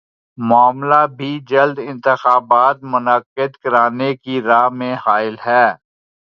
معاملہ بھی جلد انتخابات منعقد کرانے کی راہ میں حائل ہے